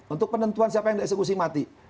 untuk penentuan siapa yang di eksekusi mati